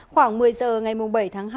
khoảng một mươi h ngày bảy tháng hai